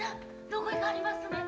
どこ行かはりますねん。